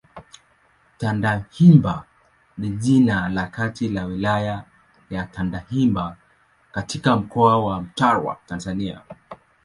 Tandahimba ni jina la kata ya Wilaya ya Tandahimba katika Mkoa wa Mtwara, Tanzania.